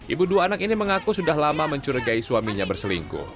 ibu dua anak ini mengaku sudah lama mencurigai suaminya berselingkuh